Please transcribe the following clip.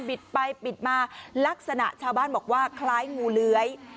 ไปบิดมาลักษณะชาวบ้านบอกว่าคล้ายงูเลื้อย